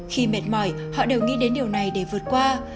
khi mệt mỏi họ đều nghĩ đến điều này để vượt qua